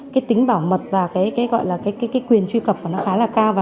cái tính bảo mật và cái gọi là cái quyền truy cập của nó khá là cao